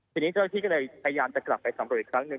ทีนี้เจ้าที่ก็เลยพยายามจะกลับไปสำรวจอีกครั้งหนึ่ง